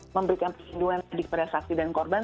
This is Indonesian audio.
adalah memberikan perlindungan adik kepada saksi dan korban